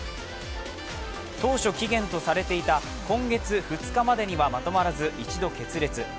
当初期限とされていた今月２日までにはまとまらず、一度決裂。